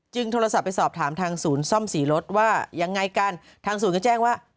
โทรศัพท์ไปสอบถามทางศูนย์ซ่อมสีรถว่ายังไงกันทางศูนย์ก็แจ้งว่า